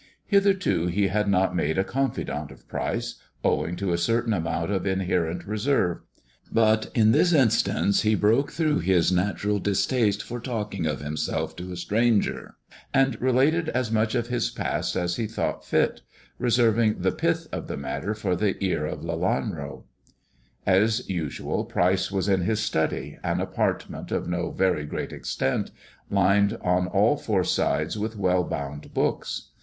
Hitherto he had not made a confidant of Pryce, owing to a certain amount of inherent reserve ; but in this instance he broke through his natural distaste for talking of himself to a stranger, and related as much of his past as he thought fit ; reserving the pith of the matter for the ear of Lelanro. As usual, Pryce was in his study, an apartment of no very great extent, lined on all four sides with well bound books.